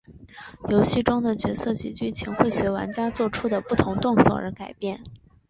游戏中的角色及剧情会随玩家作出的不同动作而改变。